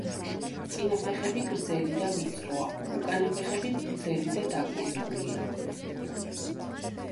წინა ფეხები გრძელი და ვიწროა, უკანა ფეხები გრძელი და დაკუნთულია.